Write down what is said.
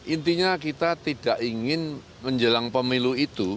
intinya kita tidak ingin menjelang pemilu itu